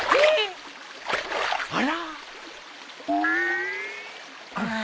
あら。